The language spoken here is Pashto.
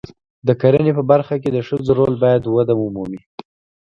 د کرنې په برخه کې د ښځو رول باید وده ومومي.